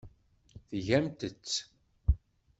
Tgamt-tt.